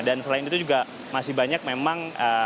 dan selain itu juga masih banyak memang